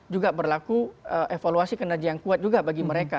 juga berlaku kode etik yang kuat juga berlaku evaluasi kinerja yang kuat juga bagi mereka